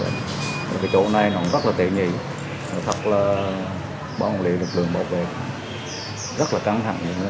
cái chỗ này nó cũng rất là tệ nhị thật là bảo hộ liệu lực lượng bảo vệ rất là căng thẳng